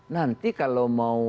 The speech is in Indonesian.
nanti kalau mau